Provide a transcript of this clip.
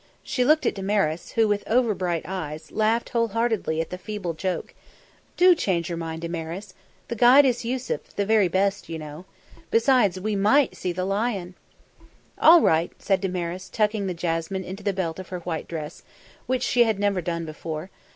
She looked at Damaris, who, with over bright eyes, laughed whole heartedly at the feeble joke. "Do change your mind, Damaris. The guide is Yussuf, the very best, you know. Besides, we might see the lion." "All right," said Damaris, tucking the jasmine into the belt of her white dress, which she had never done before.